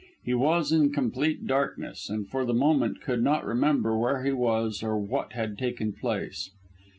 He was in complete darkness, and for the moment could not remember where he was or what had taken place.